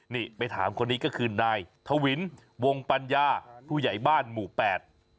นี่ไปถามคนนี้ก็คือนายทวินวงปัญญาผู้ใหญ่บ้านหมู่แปด